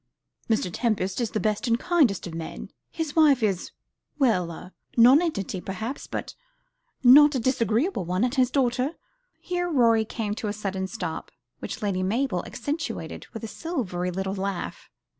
"Mr. Tempest is the best and kindest of men; his wife is well, a nonentity, perhaps, but not a disagreeable one; and his daughter " Here Rorie came to a sudden stop, which Lady Mabel accentuated with a silvery little laugh.